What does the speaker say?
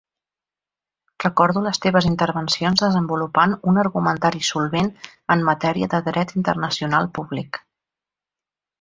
Recordo les teves intervencions desenvolupant un argumentari solvent en matèria de dret internacional públic.